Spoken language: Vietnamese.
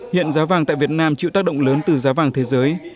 hiện giá vàng tại việt nam chịu tác động lớn từ giá vàng thế giới